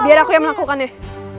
biar aku yang melakukan deh